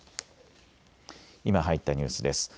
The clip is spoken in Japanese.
今入ったニュースです。